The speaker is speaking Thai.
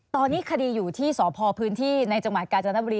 ตอนนี้คดีอยู่ที่สพพื้นที่ในจังหวัดกาญจนบุรี